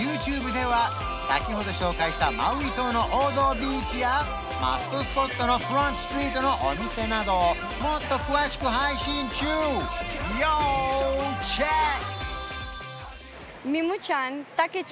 ＹｏｕＴｕｂｅでは先ほど紹介したマウイ島の王道ビーチやマストスポットのフロントストリートのお店などをもっと詳しく配信中要チェック！